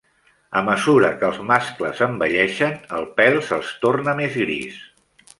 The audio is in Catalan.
A mesura que els mascles envelleixen, el pèl se'ls torna més gris.